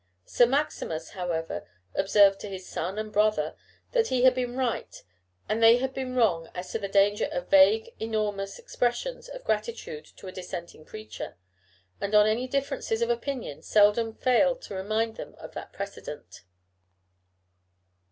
Sir Maximus, however, observed to his son and brother that he had been right and they had been wrong as to the danger of vague, enormous expressions of gratitude to a Dissenting preacher, and on any differences of opinion seldom failed to remind them of that precedent.